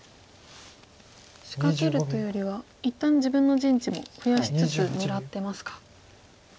仕掛けるというよりは一旦自分の陣地も増やしつつ狙ってますか。